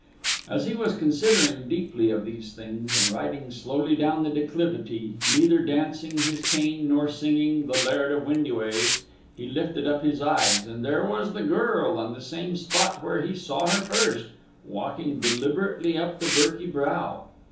As he was considering deeply of these things and riding slowly down the declivity, neither dancing his cane nor singing the Laird of Windy wa's, he lifted up his eyes, and there was the girl on the same spot where he saw her first, walking deliberately up the Birky Brow.